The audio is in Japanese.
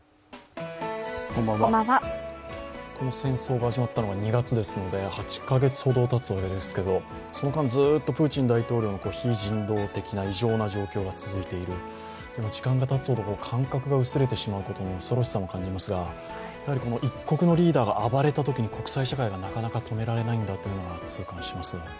この戦争が始まったのは２月ですので、８か月ほどたつわけですけれども、その間、ずっとプーチン大統領の非人道的な異常な状況が続いている、でも時間がたつほど感覚が薄れてしまうことの恐ろしさも感じますが一国のリーダーが暴れたときに国際社会がなかなか止められないんだと痛感します。